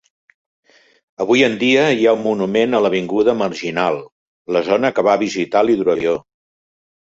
Avui en dia hi ha un monument a l'Avinguda Marginal, la zona que va visitar l'hidroavió.